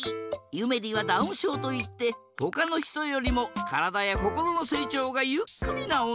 ゆめりはダウンしょうといってほかのひとよりもからだやこころのせいちょうがゆっくりなおんなのこ。